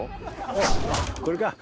おおこれか。